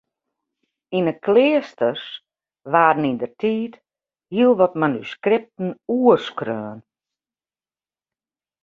Yn 'e kleasters waarden yndertiid hiel wat manuskripten oerskreaun.